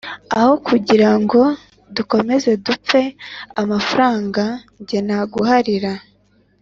Aho kugirango dukomeze dupfe amafaranga njyewe naguharira